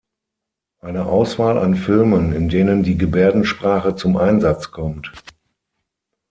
Eine Auswahl an Filmen, in denen die Gebärdensprache zum Einsatz kommt.